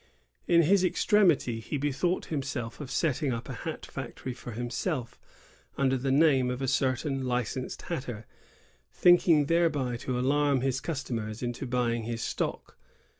In his extremity he bethought him of setting up a hat factory for him self, under the name of a certain licensed hatter, thinking thereby to alarm his customers into buying his stock.